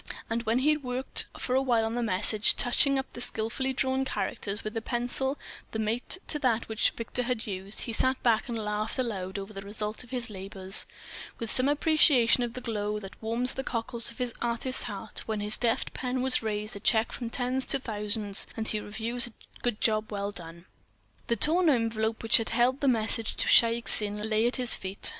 And when he had worked for a while on the message, touching up the skillfully drawn characters with a pencil the mate to that which Victor had used, he sat back and laughed aloud over the result of his labours, with some appreciation of the glow that warms the cockles of the artist's heart when his deft pen has raised a cheque from tens to thousands, and he reviews a good job well done. The torn envelope which had held the message to Shaik Tsin lay at his feet.